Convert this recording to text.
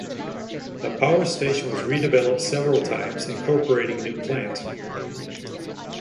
The power station was redeveloped several times incorporating new plant.